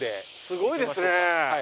すごいですね。